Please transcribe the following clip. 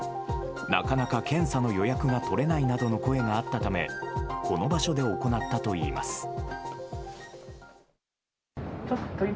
なかなか検査の予約が取れないなどの声があったためこの場所で行ったといいます。